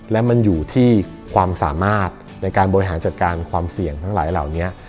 และมันอยู่ที่ความสามารถในการบริหารจัดการความเสี่ยงทั้งหลายเหล่านี้